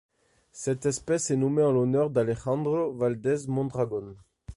Cette espèce est nommée en l'honneur d'Alejandro Valdez-Mondragón.